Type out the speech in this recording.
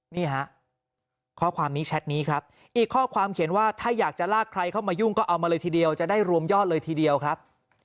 นี่ฮะข้อความนี้แชทนี้ครับอีกข้อความเขียนว่าถ้าอยากจะลากใครเข้ามายุ่งก็เอามาเลยทีเดียวจะได้รวมยอดเลยทีเดียวครับ